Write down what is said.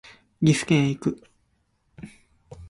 岐阜県へ行く